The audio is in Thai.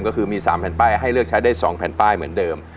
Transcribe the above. ก็คือให้เลือกใช้ทั้ง๓แผ่นป้ายได้ได้๒แผ่นป้ายเหมือนเดิม